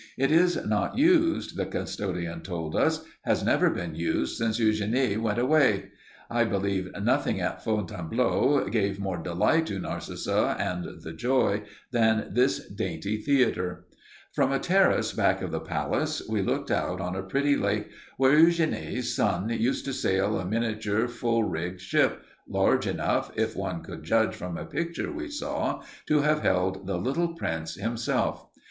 It is not used, the custodian told us has never been used since Eugénie went away. I believe nothing at Fontainebleau gave more delight to Narcissa and the Joy than this dainty theater. From a terrace back of the palace we looked out on a pretty lake where Eugénie's son used to sail a miniature, full rigged ship, large enough, if one could judge from a picture we saw, to have held the little prince himself.